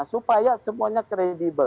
supaya semuanya kembali